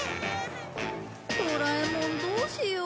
ドラえもんどうしよう。